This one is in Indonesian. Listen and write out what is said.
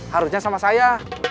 harusnya sama saya